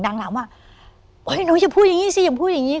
อย่าล้องทักอย่างนี้